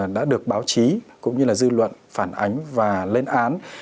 đã được báo chí cũng như là dư luận phản ánh và lên án